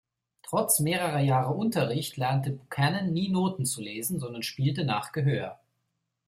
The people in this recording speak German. Trotz mehrerer Jahre Unterricht lernte Buchanan nie Noten zu lesen, sondern spielte nach Gehör.